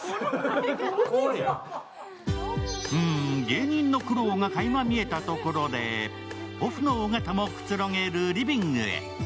芸人の苦労がかいま見えたところでオフの尾形もくつろげるリビングへ。